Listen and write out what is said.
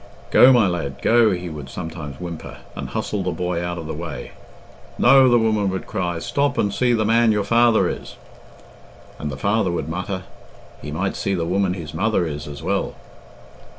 "Go, my lad, go," he would sometimes whimper, and hustle the boy out of the way. "No," the woman would cry, "stop and see the man your father is." And the father would mutter, "He might see the woman his mother is as well."